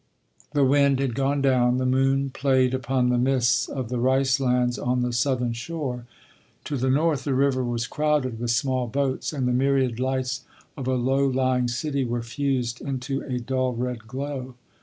The wind had gone down. The moon played upon the mists of the ricelands on the southern shore. To the north the river was crowded with small boats and the myriad lights of a low lying city were fused into a dull red glow.